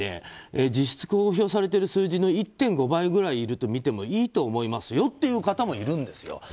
あれは検査体制追いついていないんで実質公表されてる数字の１．５倍ぐらいいるとみてもいいと思いますよっていう方もいるんですよ。